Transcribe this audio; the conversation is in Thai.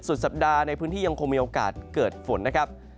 สัปดาห์ในพื้นที่ยังคงมีโอกาสเกิดฝนนะครับ